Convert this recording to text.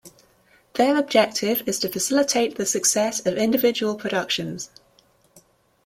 Their objective is to facilitate the success of individual productions.